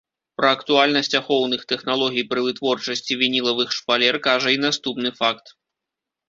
Пра актуальнасць ахоўных тэхналогій пры вытворчасці вінілавых шпалер кажа і наступны факт.